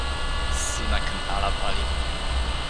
sina ken ala pali.